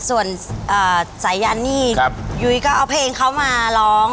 ส่วนสายันนี่ยุ้ยก็เอาเพลงเขามาร้อง